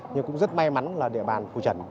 nhưng cũng rất may mắn là địa bàn phù trần